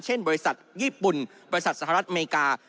บริษัทญี่ปุ่นบริษัทสหรัฐอเมริกา